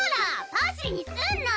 パシリにすんな！